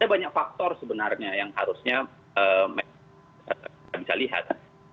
ada banyak faktor sebenarnya yang harusnya kita bisa lihat